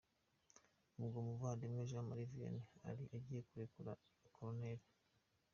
Ubwo Muvandimwe Jean Marie Vianney yari agiye kurekura koruneri.